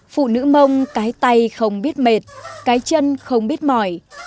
phụ nữ mông cái tay không biết mệt cái chân không biết mỏi